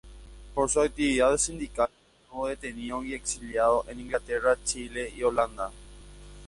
Por su actividad sindical estuvo detenido y exiliado en Inglaterra Chile y Holanda.